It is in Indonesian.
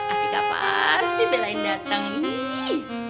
atika pasti belain dateng nih